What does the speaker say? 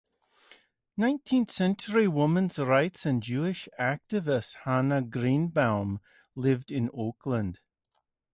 Nineteenth-century women's rights and Jewish activist Hannah Greenebaum lived in Oakland.